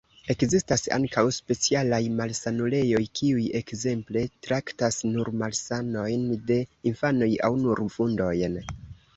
Ekzistas ankaŭ specialaj malsanulejoj, kiuj, ekzemple, traktas nur malsanojn de infanoj aŭ nur vundojn.